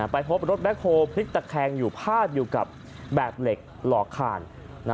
ไปพบรถแคคโฮพลิกตะแคงอยู่พาดอยู่กับแบบเหล็กหลอกคาน